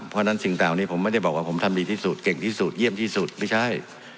เพราะฉะนั้นสิ่งต่างนี้ผมไม่ได้บอกว่าผมทำดีที่สุดเก่งที่สุดเยี่ยมที่สุดไม่ใช่